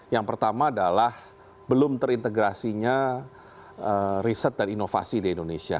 yang pertama adalah belum terintegrasinya riset dan inovasi di indonesia